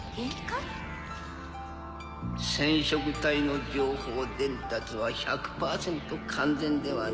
染色体の情報伝達は１００％完全ではない。